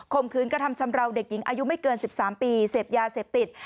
มคืนกระทำชำราวเด็กหญิงอายุไม่เกิน๑๓ปีเสพยาเสพติด